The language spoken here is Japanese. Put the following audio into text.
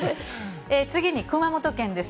次に熊本県です。